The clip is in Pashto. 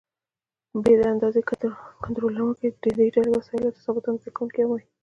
ب: د اندازې کنټرولوونکي: دې ډلې وسایلو ته ثابته اندازه کوونکي هم وایي.